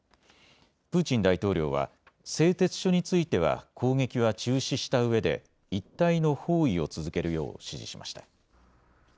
プーチン大統領は製鉄所については攻撃は中止したうえで一帯の包囲を続けるよう指示しました。